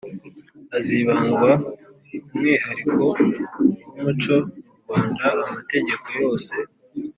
hazibandwa ku mwihariko w umuco nyarwanda Amategeko yose